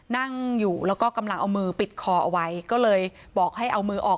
นั่งอยู่แล้วก็กำลังเอามือปิดคอเอาไว้ก็เลยบอกให้เอามือออก